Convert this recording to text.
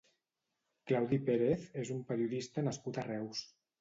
Claudi Pérez és un periodista nascut a Reus.